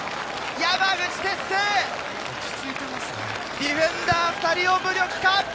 山口輝星、ディフェンダー２人を無力化。